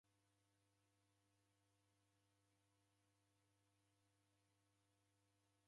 Chuo chapo chasi